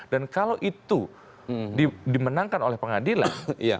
dan kalau itu dimenangkan oleh pengadilan